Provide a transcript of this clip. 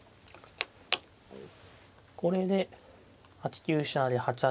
これで８九飛車成８八